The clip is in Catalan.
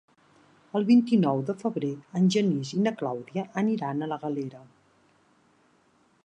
El vint-i-nou de febrer en Genís i na Clàudia aniran a la Galera.